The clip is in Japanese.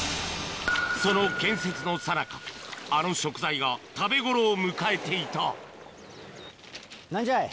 その建設のさなかあの食材が食べ頃を迎えていた何じゃい？